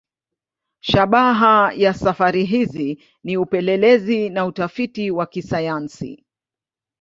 Shabaha ya safari hizi ni upelelezi na utafiti wa kisayansi.